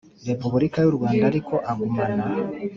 Repubulika y u Rwanda ariko agumana